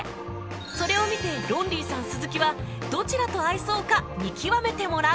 それを見てロンリーさん鈴木はどちらと合いそうか見極めてもらう